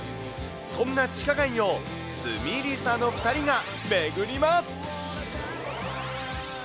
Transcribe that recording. そんな地下街をすみりさの２人が巡ります。